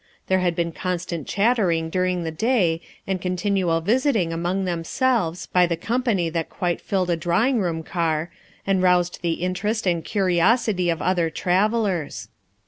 There had been constant chattering during the day and continual visiting among themselves by the company that quite filled a drawing room car, and roused the interest and curiosity of other travelers.